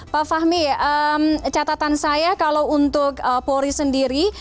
pak fahmi catatan saya kalau untuk polri sendiri